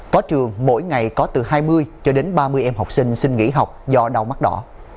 có trường mỗi ngày có từ hai mươi cho đến ba mươi em học sinh xin nghỉ học do đau mắt đỏ